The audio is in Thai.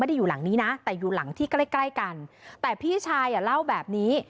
อยู่หลังนี้นะแต่อยู่หลังที่ใกล้ใกล้กันแต่พี่ชายอ่ะเล่าแบบนี้